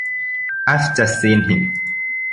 I’ve just seen him.